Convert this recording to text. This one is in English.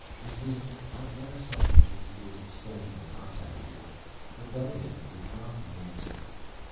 "You see, I've learned something through the years of study and contact here. Rebellion is not the answer."